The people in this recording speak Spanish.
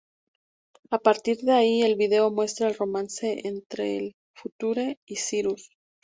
A partir de ahí, el vídeo muestra el romance entre el Future y Cyrus.